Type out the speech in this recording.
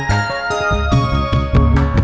mak mau beli es krim